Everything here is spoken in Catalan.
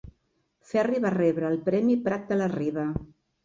Ferri va rebre el premi Prat de la Riba.